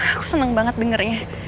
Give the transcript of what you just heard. aku seneng banget dengernya